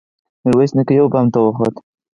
ميرويس نيکه يوه بام ته وخوت.